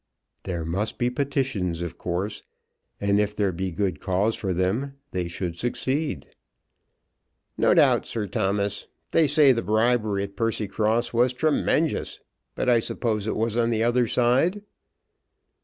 "There must be petitions, of course; and if there be good cause for them, they should succeed." "No doubt, Sir Thomas. They say the bribery at Percycross was tremenjous; but I suppose it was on the other side."